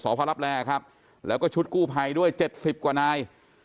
พระรับแรครับแล้วก็ชุดกู้ภัยด้วย๗๐กว่านาย